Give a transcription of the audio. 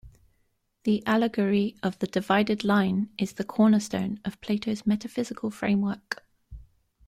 The Allegory of the Divided Line is the cornerstone of Plato's metaphysical framework.